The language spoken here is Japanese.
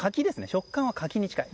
食感は柿に近い。